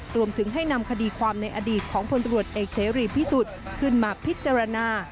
รวมถึงให้นำคดีความในอดีตของพลตรวจเอกเสรีพิสุทธิ์ขึ้นมาพิจารณา